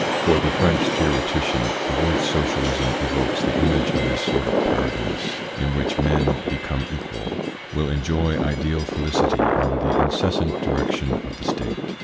For the French theoretician the word Socialism evokes the image of a sort of Paradise, in which men, become equal, will enjoy ideal felicity under the incessant direction of the State.